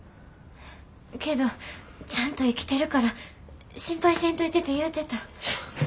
けどちゃんと生きてるから心配せんといてて言うてた。